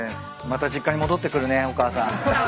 また実家に戻ってくるねお母さん。